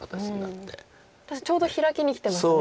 確かにちょうどヒラキにきてますね。